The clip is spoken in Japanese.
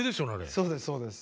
そうですそうです。